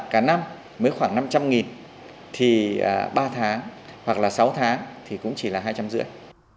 cả năm mới khoảng năm trăm linh thì ba tháng hoặc là sáu tháng thì cũng chỉ là hai trăm linh rưỡi